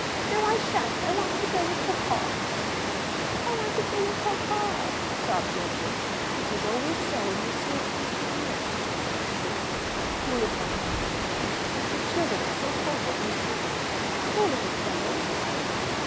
"No, I shan't! I want to go with papa," grumbled Harold. "I want to go wis papa," sobbed Wilfred. "It is always so when monsieur comes to the nursery," said the Swiss, coolly going on with her sewing. "The children are so fond of monsieur." "Poor little fellows!" cried May.